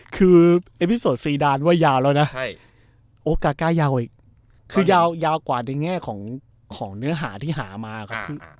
คือเอพิสโสต์สี่ด้านว่ายาวแล้วน่ะใช่โอ้ยาวอีกคือยาวยาวกว่าในแง่ของของเนื้อหาที่หามาค่ะ